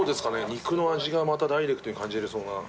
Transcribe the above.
肉の味がまたダイレクトに感じれそうな。